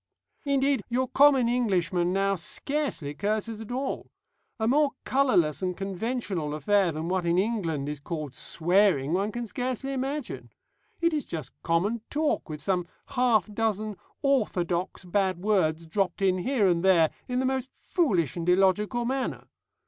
"Indeed, your common Englishman now scarcely curses at all. A more colourless and conventional affair than what in England is called swearing one can scarcely imagine. It is just common talk, with some half dozen orthodox bad words dropped in here and there in the most foolish and illogical manner.